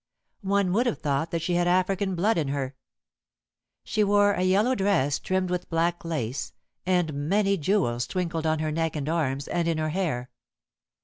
One would have thought that she had African blood in her. She wore a yellow dress trimmed with black lace, and many jewels twinkled on her neck and arms and in her hair.